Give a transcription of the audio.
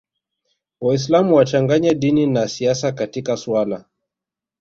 Waislam wachanganye dini na siasa katika suala